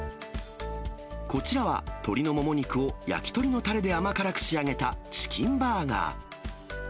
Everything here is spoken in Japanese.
こちらは鶏のもも肉を焼き鳥のたれで甘辛く仕上げたチキンバーガー。